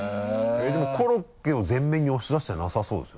でもコロッケを全面に押し出してなさそうですよね？